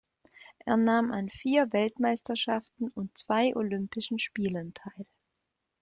Er nahm an vier Weltmeisterschaften und zwei Olympischen Spielen teil.